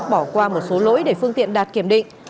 bỏ qua một số lỗi để phương tiện đạt kiểm định